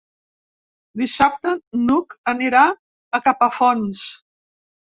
Dissabte n'Hug anirà a Capafonts.